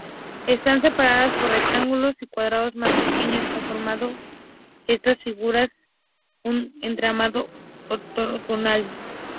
Están separados por rectángulos y cuadrados más pequeños, conformando estas figuras un entramado ortogonal.